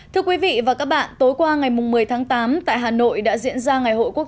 thưa quý vị và các bạn tối qua ngày một mươi tháng tám tại hà nội đã diễn ra ngày hội quốc